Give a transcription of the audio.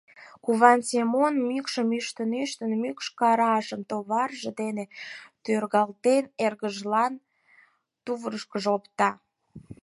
Куван Семон, мӱкшым ӱштын-ӱштын, мӱкш карашым товарже дене тӧргалтен, эргыжын тувырышкыжо опта.